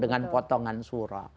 dengan potongan shura